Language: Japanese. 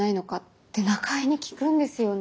って中江に聞くんですよね。